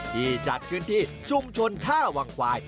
ที่จัดขึ้นที่ชุมชนท่าวังควาย